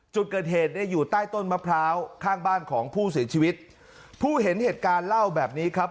จุดเกิดเหตุเนี่ยอยู่ใต้ต้นมะพร้าวข้างบ้านของผู้เสียชีวิตผู้เห็นเหตุการณ์เล่าแบบนี้ครับ